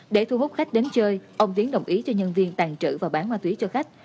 để thu hút khách đến chơi ông tiến đồng ý cho nhân viên tàn trữ và bán ma túy cho khách